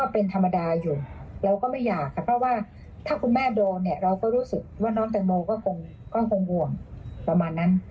เพราะว่าถ้าคุณแม่โดนเนี่ยเราก็รู้สึกว่าน้องแตงโมก็คงห่วงประมาณนั้น